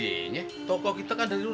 masa gak ada hajinya toko kita kan dari dulu